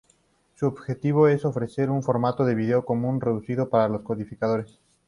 Su objetivo es ofrecer un formato de vídeo común reducido para los codificadores.